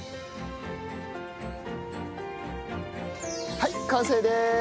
はい完成です！